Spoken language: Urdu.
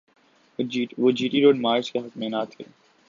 وہ جی ٹی روڈ مارچ کے حق میں نہ تھے۔